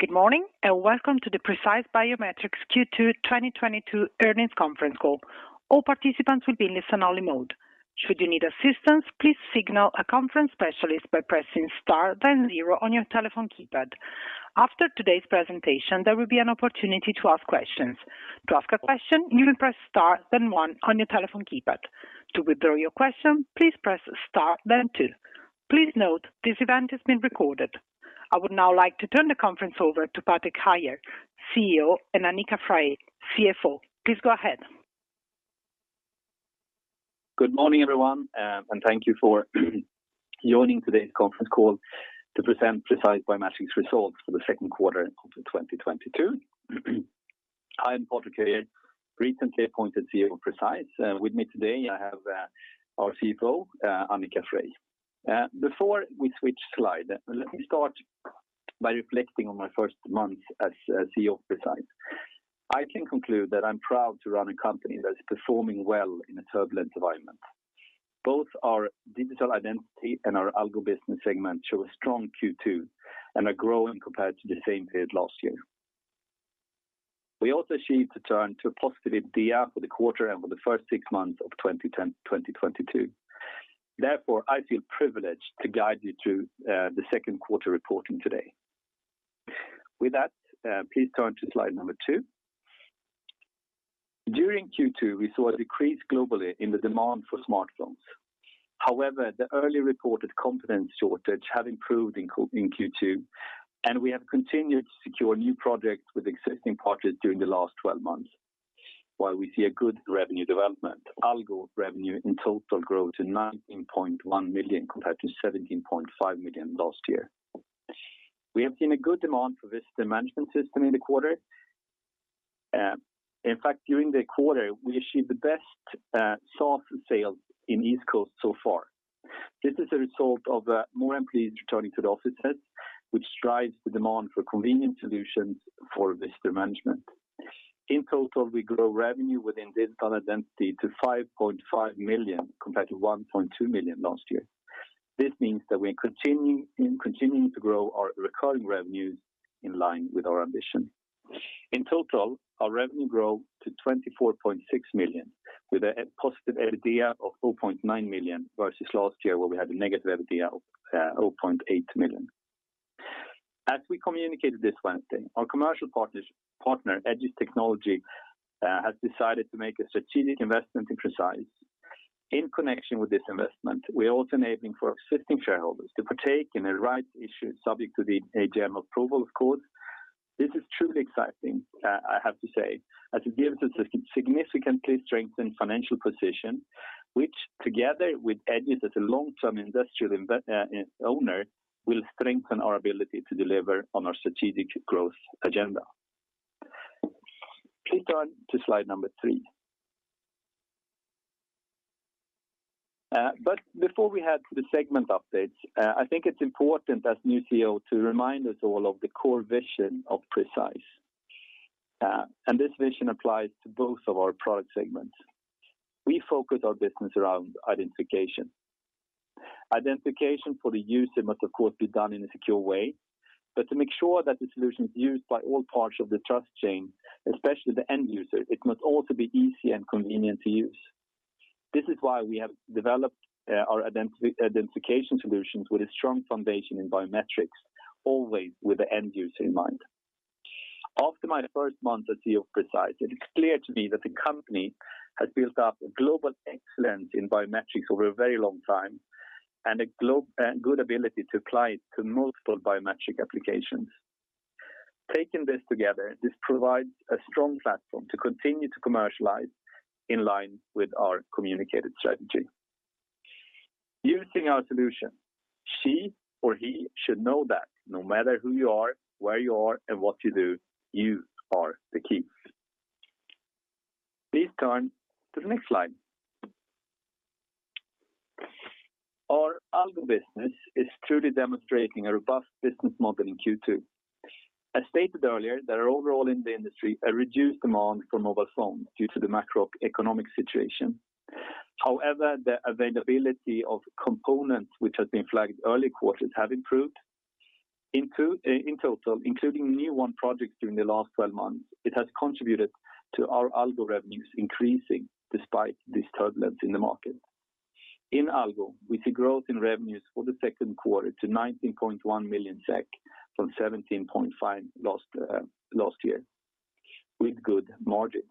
Good morning, and welcome to the Precise Biometrics Q2 2022 Earnings Conference Call. All participants will be in listen-only mode. Should you need assistance, please signal a conference specialist by pressing Star then zero on your telephone keypad. After today's presentation, there will be an opportunity to ask questions. To ask a question, you will press Star then one on your telephone keypad. To withdraw your question, please press Star then two. Please note, this event is being recorded. I would now like to turn the conference over to Patrick Höijer, CEO, and Annika Freij, CFO. Please go ahead. Good morning, everyone, and thank you for joining today's conference call to present Precise Biometrics results for the second quarter of 2022. I am Patrick Höijer, recently appointed CEO of Precise. With me today, I have our CFO, Annika Freij. Before we switch slide, let me start by reflecting on my first month as CEO of Precise. I can conclude that I'm proud to run a company that is performing well in a turbulent environment. Both our Digital Identity and our Algo business segment show a strong Q2 and are growing compared to the same period last year. We also achieved a turn to a positive EBITDA for the quarter and for the first six months of 2022. Therefore, I feel privileged to guide you through the second quarter reporting today. With that, please turn to slide number two. During Q2, we saw a decrease globally in the demand for smartphones. However, the early reported component shortage has improved in Q2, and we have continued to secure new projects with existing partners during the last 12 months. While we see a good revenue development, Algo revenue in total grows to 19.1 million compared to 17.5 million last year. We have seen a good demand for visitor management system in the quarter. In fact, during the quarter, we achieved the best software sales in EastCoast so far. This is a result of more employees returning to the offices, which drives the demand for convenient solutions for visitor management. In total, we grow revenue within Digital Identity to 5.5 million compared to 1.2 million last year. This means that we are continuing to grow our recurring revenues in line with our ambition. In total, our revenue grew to 24.6 million with a positive EBITDA of 4.9 million versus last year where we had a negative EBITDA of 0.8 million. As we communicated this Wednesday, our commercial partner, Egis Technology, has decided to make a strategic investment in Precise. In connection with this investment, we are also enabling for existing shareholders to partake in a rights issue subject to the AGM approval, of course. This is truly exciting, I have to say, as it gives us a significantly strengthened financial position, which together with Egis as a long-term industrial owner, will strengthen our ability to deliver on our strategic growth agenda. Please turn to slide number three. Before we head to the segment updates, I think it's important as new CEO to remind us all of the core vision of Precise. This vision applies to both of our product segments. We focus our business around identification. Identification for the user must of course be done in a secure way, but to make sure that the solution is used by all parts of the trust chain, especially the end user, it must also be easy and convenient to use. This is why we have developed our identification solutions with a strong foundation in biometrics, always with the end user in mind. After my first month as CEO of Precise, it is clear to me that the company has built up a global excellence in biometrics over a very long time and a good ability to apply it to multiple biometric applications. Taking this together, this provides a strong platform to continue to commercialize in line with our communicated strategy. Using our solution, she or he should know that no matter who you are, where you are, and what you do, you are the key. Please turn to the next slide. Our Algo business is truly demonstrating a robust business model in Q2. As stated earlier, there are overall in the industry a reduced demand for mobile phones due to the macroeconomic situation. However, the availability of components which has been flagged early quarters have improved. In total, including new won projects during the last 12 months, it has contributed to our Algo revenues increasing despite this turbulence in the market. In Algo, we see growth in revenues for the second quarter to 19.1 million SEK from 17.5 million last year with good margins.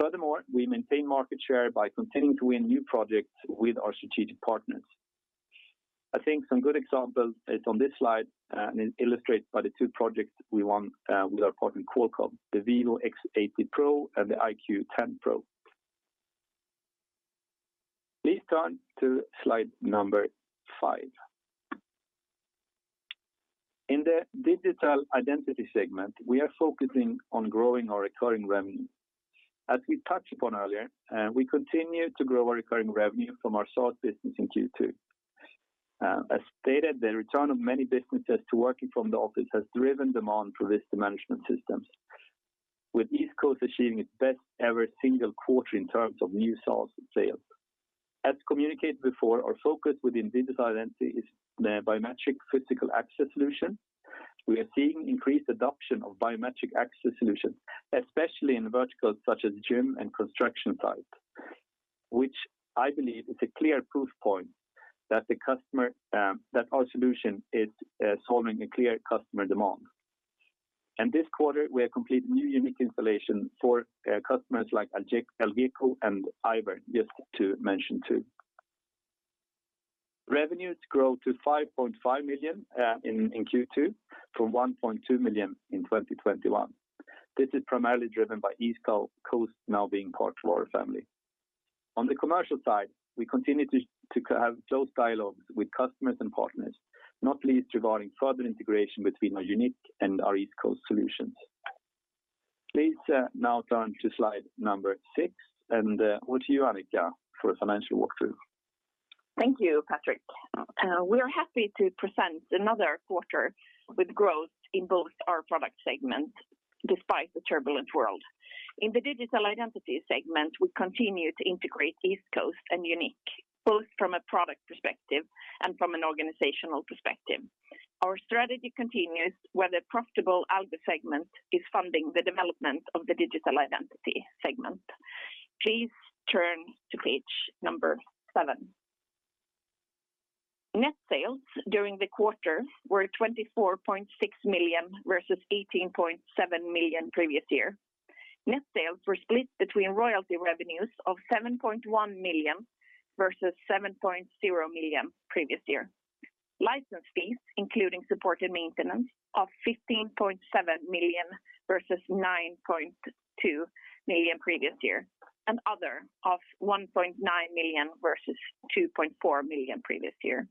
Furthermore, we maintain market share by continuing to win new projects with our strategic partners. I think some good examples is on this slide, and illustrated by the two projects we won, with our partner Qualcomm, the vivo X80 Pro and the iQOO 10 Pro. Please turn to slide number five. In the Digital Identity segment, we are focusing on growing our recurring revenue. As we touched upon earlier, we continue to grow our recurring revenue from our SaaS business in Q2. As stated, the return of many businesses to working from the office has driven demand for visitor management systems. EastCoast achieving its best ever single quarter in terms of new sales. As communicated before, our focus within Digital Identity is the biometric physical access solution. We are seeing increased adoption of biometric access solutions, especially in verticals such as gym and construction sites, which I believe is a clear proof point that our solution is solving a clear customer demand. This quarter, we are completing new unique installation for customers like Algeco and Iver, just to mention two. Revenue grows to 5.5 million in Q2 from 1.2 million in 2021. This is primarily driven by EastCoast now being part of our family. On the commercial side, we continue to have close dialogues with customers and partners, not least regarding further integration between our YOUNiQ and our EastCoast solutions. Please, now turn to slide number six, and over to you, Annika, for a financial walkthrough. Thank you, Patrick. We are happy to present another quarter with growth in both our product segments despite the turbulent world. In the Digital Identity segment, we continue to integrate EastCoast and YOUNiQ, both from a product perspective and from an organizational perspective. Our strategy continues, where the profitable Algo segment is funding the development of the Digital Identity segment. Please turn to page seven. Net sales during the quarter were 24.6 million versus 18.7 million previous year. Net sales were split between royalty revenues of 7.1 million versus 7.0 million previous year. License fees, including supported maintenance of 15.7 million versus 9.2 million previous year, and other of 1.9 million versus 2.4 million previous year.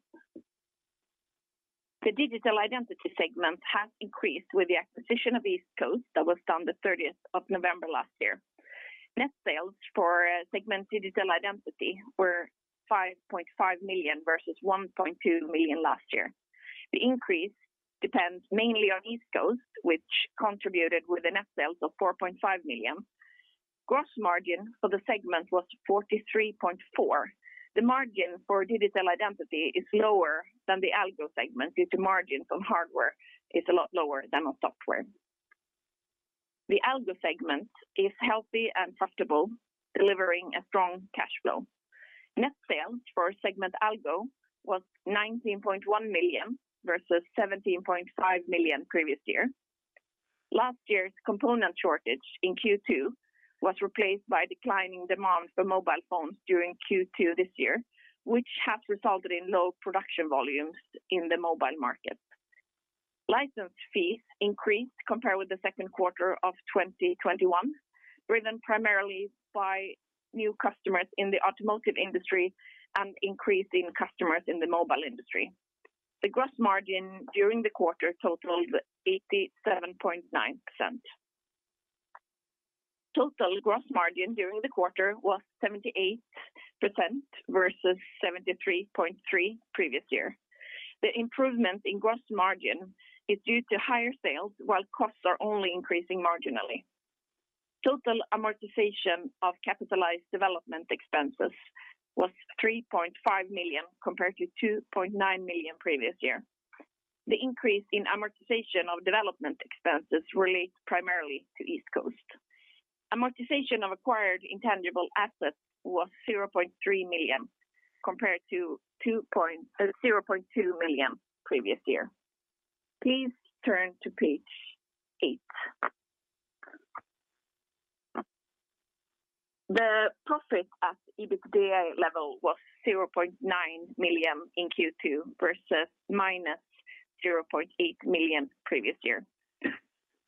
The Digital Identity segment has increased with the acquisition of EastCoast that was done the 30th of November last year. Net sales for segment Digital Identity were 5.5 million versus 1.2 million last year. The increase depends mainly on EastCoast, which contributed with a net sales of 4.5 million. Gross margin for the segment was 43.4%. The margin for Digital Identity is lower than the Algo segment due to margins on hardware is a lot lower than on software. The Algo segment is healthy and profitable, delivering a strong cash flow. Net sales for segment Algo was 19.1 million versus 17.5 million previous year. Last year's component shortage in Q2 was replaced by declining demand for mobile phones during Q2 this year, which has resulted in low production volumes in the mobile market. License fees increased compared with the second quarter of 2021, driven primarily by new customers in the automotive industry and increase in customers in the mobile industry. The gross margin during the quarter totaled 87.9%. Total gross margin during the quarter was 78% versus 73.3% previous year. The improvement in gross margin is due to higher sales, while costs are only increasing marginally. Total amortization of capitalized development expenses was 3.5 million compared to 2.9 million previous year. The increase in amortization of development expenses relates primarily to EastCoast. Amortization of acquired intangible assets was 0.3 million compared to 0.2 million previous year. Please turn to page eight. The profit at EBITDA level was 0.9 million in Q2 versus -0.8 million previous year.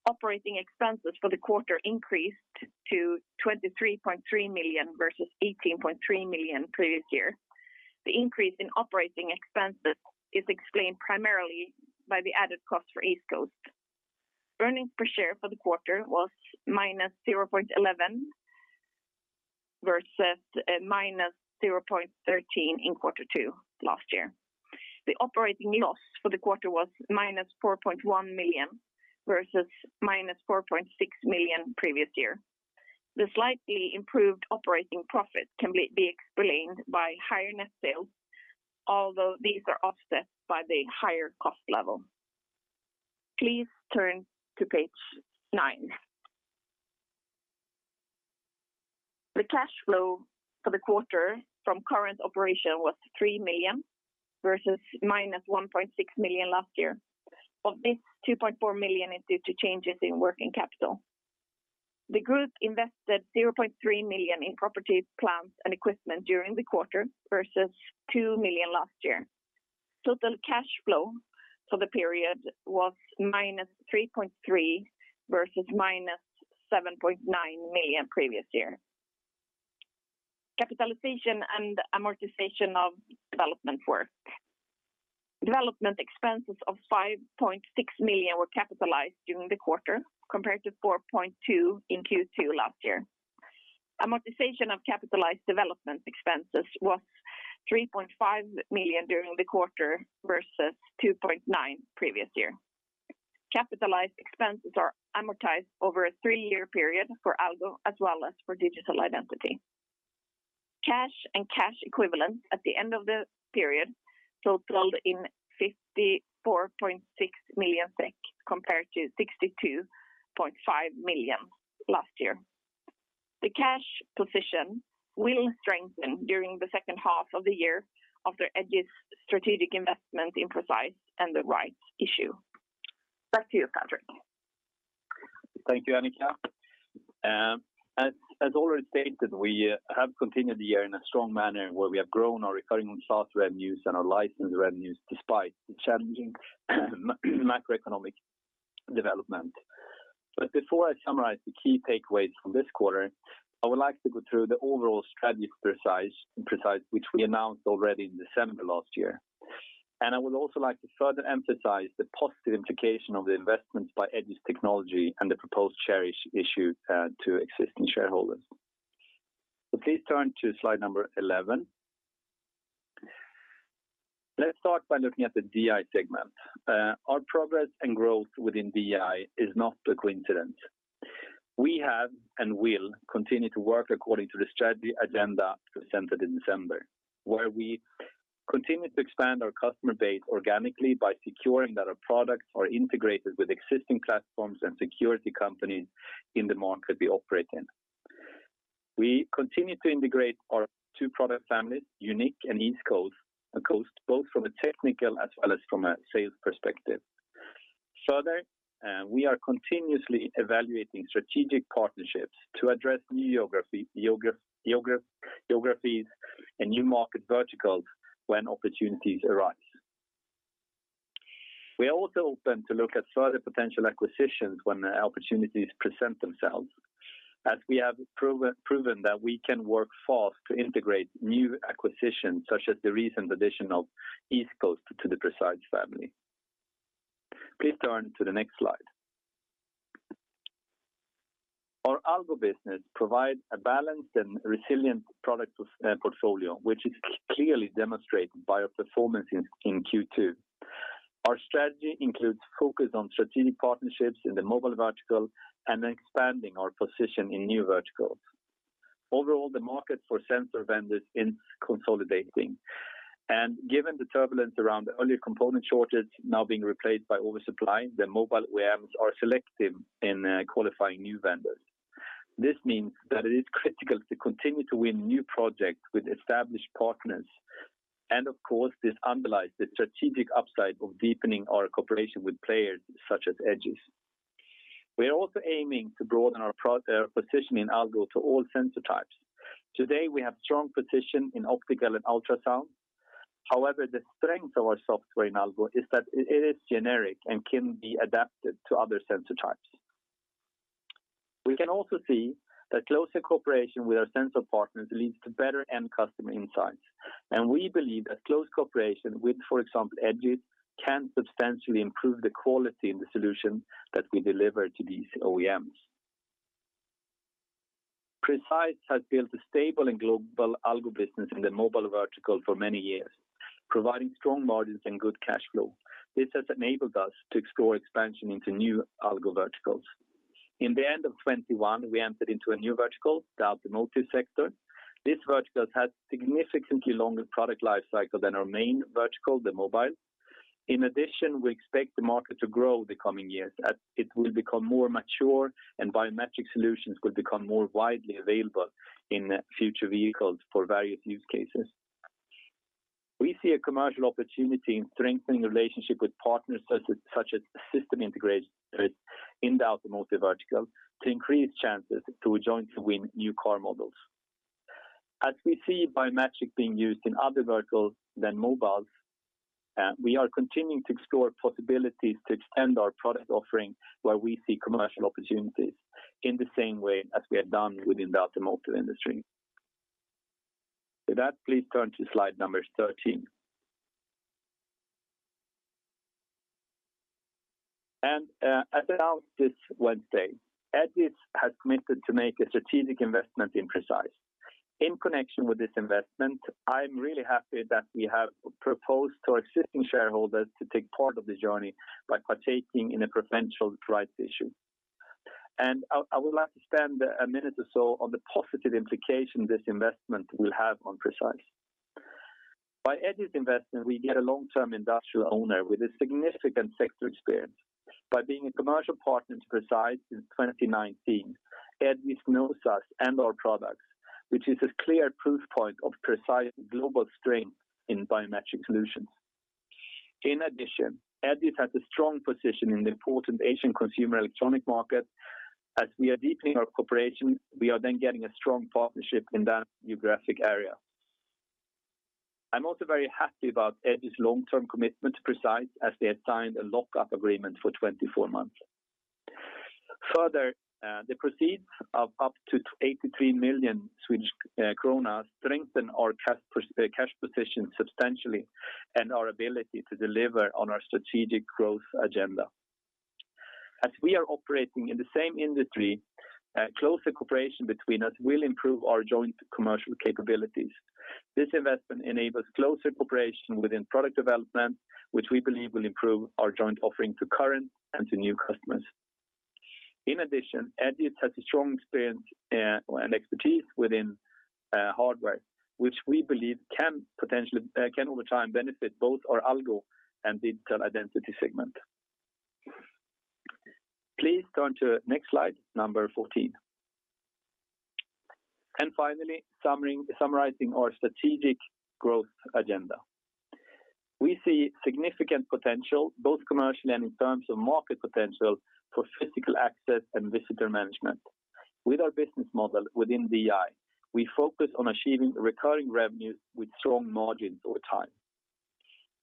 Operating expenses for the quarter increased to 23.3 million versus 18.3 million previous year. The increase in operating expenses is explained primarily by the added cost for EastCoast. Earnings per share for the quarter was -0.11 versus -0.13 in quarter two last year. The operating loss for the quarter was -4.1 million versus -4.6 million previous year. The slightly improved operating profit can be explained by higher net sales, although these are offset by the higher cost level. Please turn to page nine. The cash flow for the quarter from current operation was 3 million versus -1.6 million last year. Of this, 2.4 million is due to changes in working capital. The group invested 0.3 million in property, plant, and equipment during the quarter versus 2 million last year. Total cash flow for the period was -3.3 million versus -7.9 million previous year. Capitalization and amortization of development work. Development expenses of 5.6 million were capitalized during the quarter compared to 4.2 million in Q2 last year. Amortization of capitalized development expenses was 3.5 million during the quarter versus 2.9 million previous year. Capitalized expenses are amortized over a three-year period for Algo as well as for Digital Identity. Cash and cash equivalents at the end of the period totaled 54.6 million SEK compared to 62.5 million last year. The cash position will strengthen during the second half of the year after Egis's strategic investment in Precise and the rights issue. Back to you, Patrick. Thank you, Annika. As already stated, we have continued the year in a strong manner where we have grown our recurring and SaaS revenues and our license revenues despite the challenging macroeconomic development. Before I summarize the key takeaways from this quarter, I would like to go through the overall strategy of Precise, which we announced already in December last year. I would also like to further emphasize the positive implication of the investments by Egis Technology and the proposed shares issued to existing shareholders. Please turn to slide number 11. Let's start by looking at the DI segment. Our progress and growth within DI is not a coincidence. We have and will continue to work according to the strategy agenda presented in December, where we continue to expand our customer base organically by securing that our products are integrated with existing platforms and security companies in the market we operate in. We continue to integrate our two product families, YOUNiQ and EastCoast, both from a technical as well as from a sales perspective. Further, we are continuously evaluating strategic partnerships to address new geographies and new market verticals when opportunities arise. We are also open to look at further potential acquisitions when opportunities present themselves, as we have proven that we can work fast to integrate new acquisitions, such as the recent addition of EastCoast to the Precise family. Please turn to the next slide. Our Algo business provide a balanced and resilient product portfolio, which is clearly demonstrated by our performance in Q2. Our strategy includes focus on strategic partnerships in the mobile vertical and expanding our position in new verticals. Overall, the market for sensor vendors is consolidating. Given the turbulence around the earlier component shortage now being replaced by oversupply, the mobile OEMs are selective in qualifying new vendors. This means that it is critical to continue to win new projects with established partners, and of course, this underlies the strategic upside of deepening our cooperation with players such as Egis. We are also aiming to broaden our position in Algo to all sensor types. Today, we have strong position in optical and ultrasound. However, the strength of our software in Algo is that it is generic and can be adapted to other sensor types. We can also see that closer cooperation with our sensor partners leads to better end customer insights, and we believe a close cooperation with, for example, Egis can substantially improve the quality of the solution that we deliver to these OEMs. Precise has built a stable and global Algo business in the mobile vertical for many years, providing strong margins and good cash flow. This has enabled us to explore expansion into new Algo verticals. In the end of 2021, we entered into a new vertical, the automotive sector. This vertical has significantly longer product life cycle than our main vertical, the mobile. In addition, we expect the market to grow the coming years as it will become more mature and biometric solutions will become more widely available in future vehicles for various use cases. We see a commercial opportunity in strengthening the relationship with partners such as system integrators in the automotive vertical to increase chances to jointly win new car models. As we see biometric being used in other verticals than mobiles, we are continuing to explore possibilities to extend our product offering where we see commercial opportunities in the same way as we have done within the automotive industry. With that, please turn to slide number 13. As announced this Wednesday, Egis has committed to make a strategic investment in Precise. In connection with this investment, I'm really happy that we have proposed to our existing shareholders to take part of the journey by taking in a preferential rights issue. I would like to spend a minute or so on the positive implication this investment will have on Precise. By Egis's investment, we get a long-term industrial owner with a significant sector experience. By being a commercial partner to Precise since 2019, Egis knows us and our products, which is a clear proof point of Precise global strength in biometric solutions. In addition, Egis has a strong position in the important Asian consumer electronics market. As we are deepening our cooperation, we are then getting a strong partnership in that new geographic area. I'm also very happy about Egis's long-term commitment to Precise as they have signed a lock-up agreement for 24 months. Further, the proceeds of up to 83 million Swedish kronor strengthen our cash position substantially and our ability to deliver on our strategic growth agenda. As we are operating in the same industry, closer cooperation between us will improve our joint commercial capabilities. This investment enables closer cooperation within product development, which we believe will improve our joint offering to current and to new customers. In addition, Egis has a strong experience and expertise within hardware, which we believe can over time benefit both our Algo and Digital Identity segment. Please turn to next slide, number 14. Finally, summarizing our strategic growth agenda. We see significant potential, both commercially and in terms of market potential for physical access and visitor management. With our business model within DI, we focus on achieving recurring revenues with strong margins over time.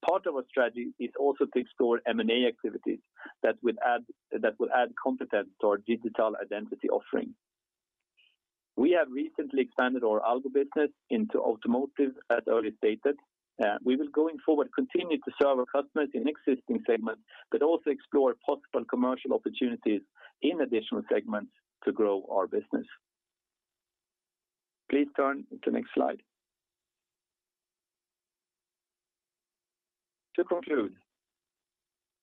Part of our strategy is also to explore M&A activities that would add competence to our digital identity offering. We have recently expanded our Algo business into automotive, as earlier stated. We will going forward continue to serve our customers in existing segments, but also explore possible commercial opportunities in additional segments to grow our business. Please turn to next slide. To conclude,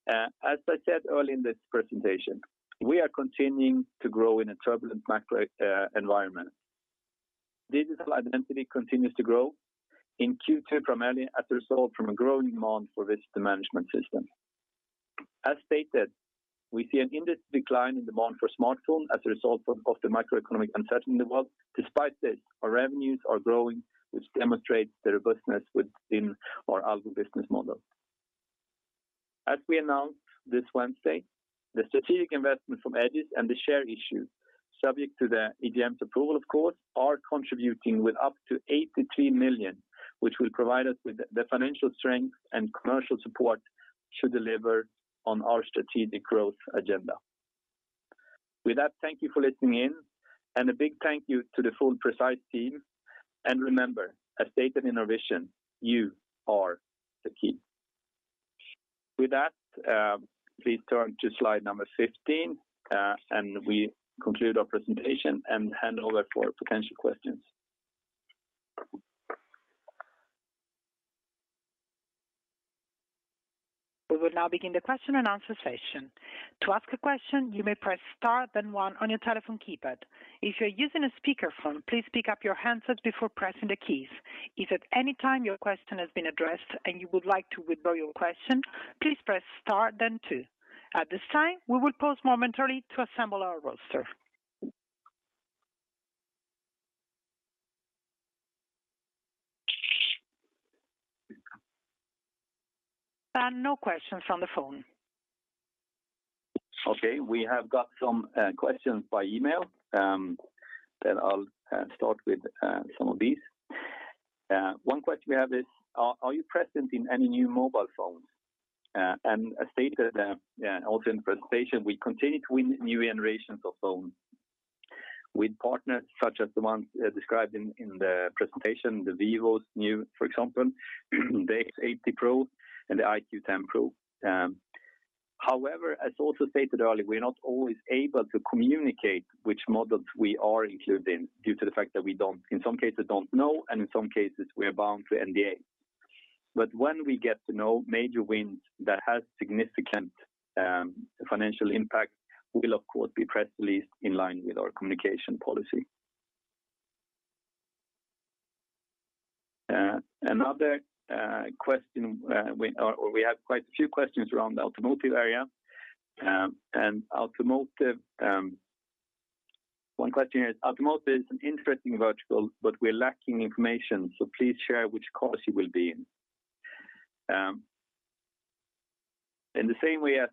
as I said earlier in this presentation, we are continuing to grow in a turbulent macro environment. Digital Identity continues to grow in Q2 primarily as a result from a growing demand for visitor management system. As stated, we see an industry decline in demand for smartphone as a result of the macroeconomic uncertainty in the world. Despite this, our revenues are growing, which demonstrates the robustness within our Algo business model. As we announced this Wednesday, the strategic investment from Egis and the share issue, subject to the EGM's approval of course, are contributing with up to 83 million, which will provide us with the financial strength and commercial support to deliver on our strategic growth agenda. With that, thank you for listening in, and a big thank you to the full Precise team. Remember, at Digital Identity, you are the key. With that, please turn to slide number 15, and we conclude our presentation and hand over for potential questions. We will now begin the question and answer session. To ask a question, you may press star then one on your telephone keypad. If you're using a speakerphone, please pick up your handset before pressing the keys. If at any time your question has been addressed and you would like to withdraw your question, please press star then two. At this time, we will pause momentarily to assemble our roster. Pat, no questions on the phone. Okay, we have got some questions by email that I'll start with some of these. One question we have is, are you present in any new mobile phones? As stated also in presentation, we continue to win new generations of phones with partners such as the ones described in the presentation, the Vivo's new, for example, the vivo X80 Pro and the iQOO 10 Pro. However, as also stated earlier, we're not always able to communicate which models we are included in due to the fact that we don't, in some cases don't know, and in some cases we are bound to NDA. When we get to know major wins that has significant financial impact, we will of course be press released in line with our communication policy. Another question we... We have quite a few questions around the automotive area. Automotive is an interesting vertical, but we're lacking information, so please share which cars you will be in. In the same way as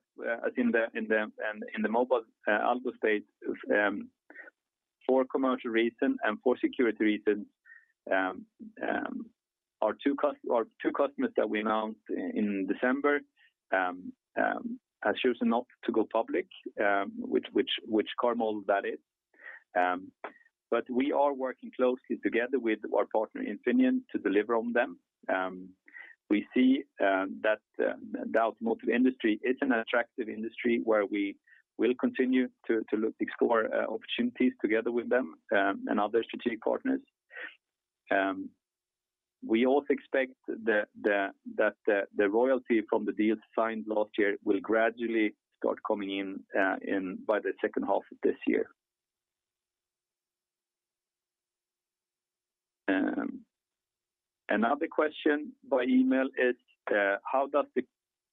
in the mobile Algo space, for commercial reason and for security reasons, our two customers that we announced in December have chosen not to go public, which car model that is. We are working closely together with our partner Infineon to deliver on them. We see that the automotive industry is an attractive industry where we will continue to look to explore opportunities together with them and other strategic partners. We also expect that the royalty from the deals signed last year will gradually start coming in by the second half of this year. Another question by email is, how does the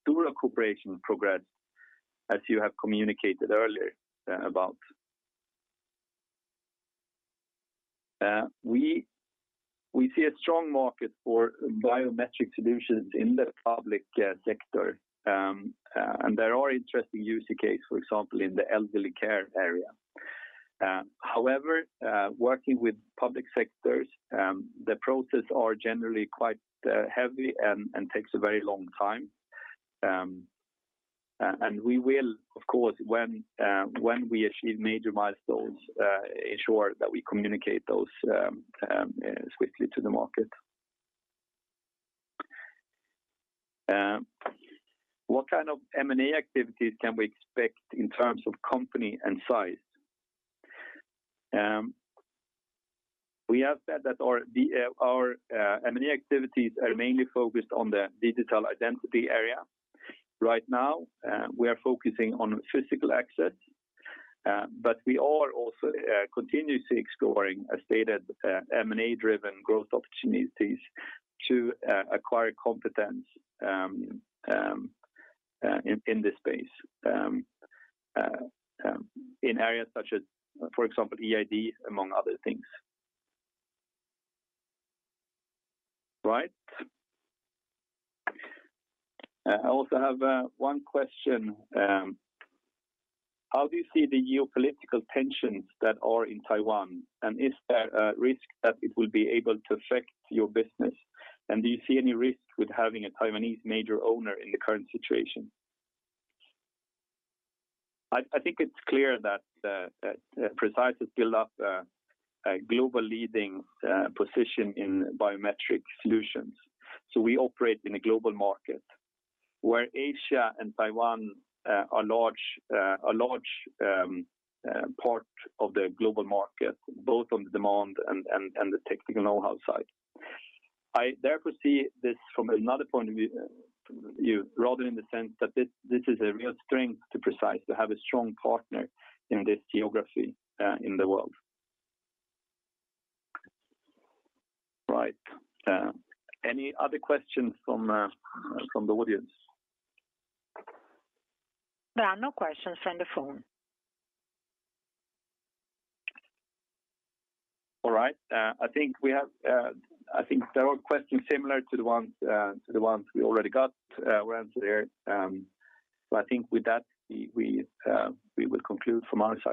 Doro cooperation progress as you have communicated earlier about? We see a strong market for biometric solutions in the public sector, and there are interesting use cases, for example, in the elderly care area. However, working with public sectors, the process are generally quite heavy and takes a very long time. We will of course when we achieve major milestones ensure that we communicate those swiftly to the market. What kind of M&A activities can we expect in terms of company and size? We have said that our M&A activities are mainly focused on the Digital Identity area. Right now, we are focusing on physical access, but we are also continuously exploring strategic M&A-driven growth opportunities to acquire competence in this space in areas such as, for example, eID, among other things. Right. I also have one question, how do you see the geopolitical tensions that are in Taiwan? Is there a risk that it will be able to affect your business? Do you see any risk with having a Taiwanese major owner in the current situation? I think it's clear that Precise has built up a globally leading position in biometric solutions. We operate in a global market where Asia and Taiwan are a large part of the global market, both on the demand and the technical know-how side. I therefore see this from another point of view, rather in the sense that this is a real strength to Precise to have a strong partner in this geography, in the world. Right. Any other questions from the audience? There are no questions from the phone. All right. I think there are questions similar to the ones we already got were answered here. I think with that, we will conclude from our side.